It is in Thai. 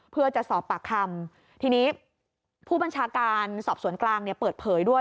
เพื่อจะสอบปากคำทีนี้ผู้บัญชาการสอบสวนกลางเนี่ยเปิดเผยด้วย